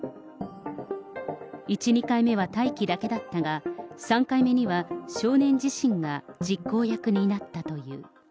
１、２回目は待機だけだったが、３回目には少年自身が実行役になったという。